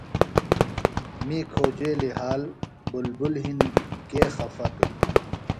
می کھوجیلیۡ حال بُلبُل ہِنیۡ کے خفا توۡ۔